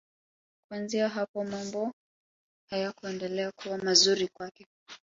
Kuanzia hapo mambo hayakuendelea kuwa mazuri kwake.